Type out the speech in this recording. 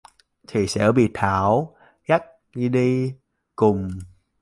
Thì sẽ bị Thảo dắt đi cùng